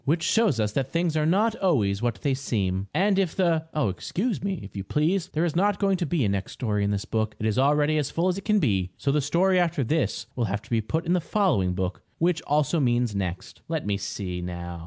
Which shows us that things are not always what they seem. And if the Oh, excuse me, if you please. There is not going to be a next story in this book. It is already as full as it can be, so the story after this will have to be put in the following book, which also means next. Let me see, now.